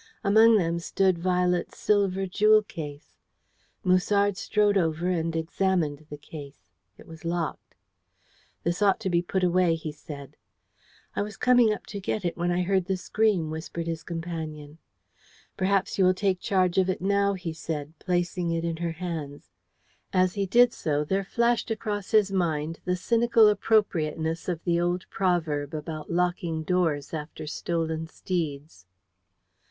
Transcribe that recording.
Among them stood Violet's silver jewel case. Musard strode over and examined the case. It was locked. "This ought to be put away," he said. "I was coming up to get it when I heard the scream," whispered his companion. "Perhaps you will take charge of it now," he said, placing it in her hands. As he did so there flashed across his mind the cynical appropriateness of the old proverb about locking doors after stolen steeds.